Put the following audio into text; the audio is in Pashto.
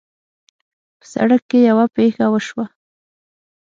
په سړک کې یوه پېښه وشوه